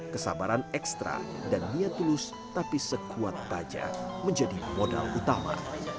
kesabaran ekstra dan niat tulus tapi sekuat baja menjadi modal utama